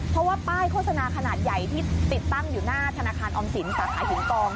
เพราะว่าป้ายโฆษณาขนาดใหญ่ที่ติดตั้งอยู่หน้าธนาคารออมสินสาขาหินกอง